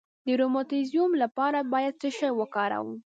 د روماتیزم لپاره باید څه شی وکاروم؟